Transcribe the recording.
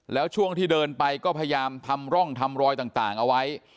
แล้วช่วงที่เดินไปก็พยายามทำร่องทำรอยต่างเอาไว้